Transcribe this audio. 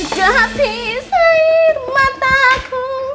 sudah habis air mataku